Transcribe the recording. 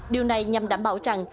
điều này nhằm đảm bảo rằng